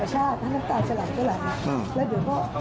คือตัวยังรู้อยู่ในใจเสมอ